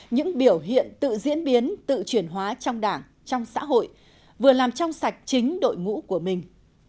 những biểu hiện tự diễn biến tự chuyển hóa trong đảng trong xã hội vừa làm trong sạch chính đội ngũ của mình